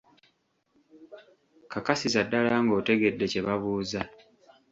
Kakasiza ddala ng'otegedde kye babuuza.